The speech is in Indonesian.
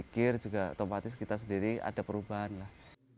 jika kita berzikir juga otomatis kita sendiri ada perubahan lah